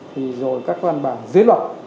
thì rồi các văn bản dưới luật